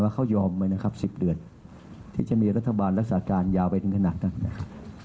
เขายอมไว้นะครับ๑๐เดือนที่จะมีรัฐบาลรักษาการยาวไปถึงขนาดนั้นนะครับ